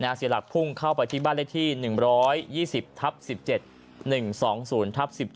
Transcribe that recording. เสียหลักพุ่งเข้าไปที่บ้านเลขที่๑๒๐ทับ๑๗๑๒๐ทับ๑๗